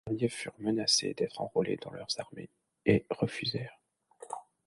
Ces derniers furent menacé d'être enrôlés dans leurs armées et refusèrent.